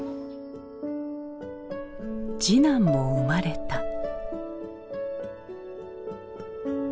次男も生まれた。